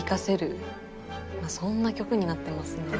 そんな曲になってますね。